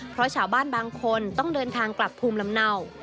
เพราะชาวบ้านบางคนต้องเดินทางกลับภูมิลำเนา